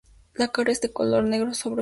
La cara es de color negro, sobre fondo rojo.